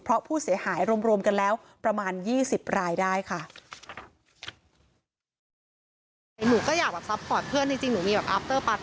เพราะผู้เสียหายรวมกันแล้วประมาณ๒๐รายได้ค่ะ